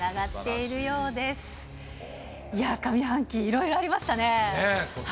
いやー、上半期、いろいろありましたね。